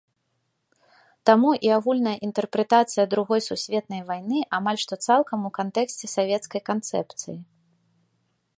Таму і агульная інтэрпрэтацыя другой сусветнай вайны амаль што цалкам у кантэксце савецкай канцэпцыі.